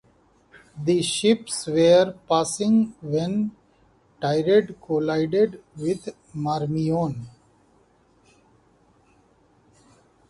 The ships were passing when "Tirade" collided with "Marmion".